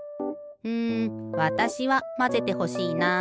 うんわたしはまぜてほしいな。